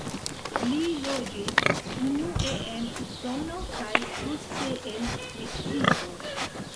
Li loĝis unue en Usono kaj poste en Meksiko.